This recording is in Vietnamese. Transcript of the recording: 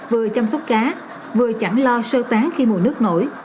vừa chăm sóc cá vừa chẳng lo sơ tán khi mùa nước nổi